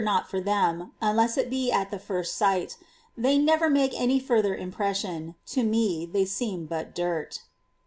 not for them, unless it be at the first sight : they never make any further impression ; to me they seem but dirt.